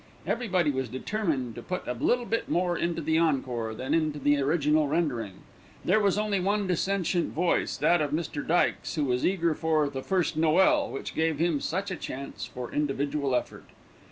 Everybody was determined to put a little bit more into the encore than into the original rendering. There was only one dissentient voice, that of Mr. Dykes, who was eager for "The First Noël," which gave him such a chance for individual effort.